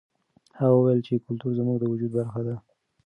هغه وویل چې کلتور زموږ د وجود برخه ده.